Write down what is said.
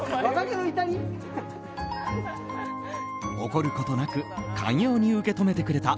怒ることなく寛容に受け止めてくれた